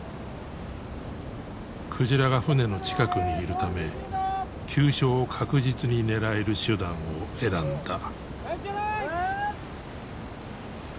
鯨が船の近くにいるため急所を確実に狙える手段を選んだ。